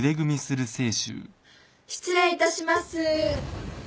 ・失礼いたします。